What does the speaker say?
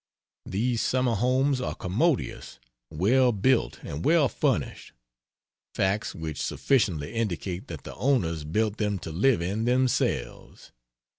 These summer homes are commodious, well built, and well furnished facts which sufficiently indicate that the owners built them to live in themselves.